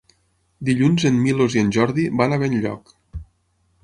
Dilluns en Milos i en Jordi van a Benlloc.